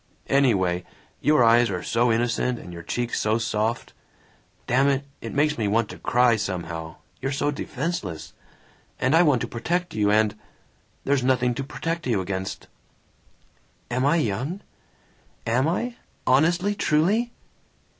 "Anyway, your eyes are so innocent and your cheeks so soft Damn it, it makes me want to cry, somehow, you're so defenseless; and I want to protect you and There's nothing to protect you against!" "Am I young? Am I? Honestly? Truly?"